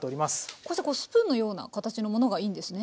こうしてこうスプーンのような形のものがいいんですね？